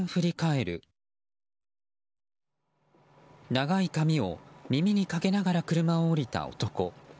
長い髪を耳にかけながら車を降りた男。